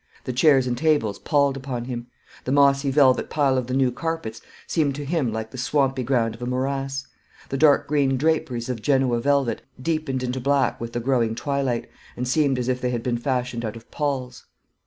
The chairs and tables palled upon him. The mossy velvet pile of the new carpets seemed to him like the swampy ground of a morass. The dark green draperies of Genoa velvet deepened into black with the growing twilight, and seemed as if they had been fashioned out of palls.